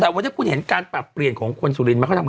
แต่วันนี้คุณเห็นการปรับเปลี่ยนของคนสุรินทร์เขาทำ